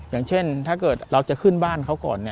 อย่างเช่นถ้าเกิดเราจะขึ้นบ้านเขาก่อน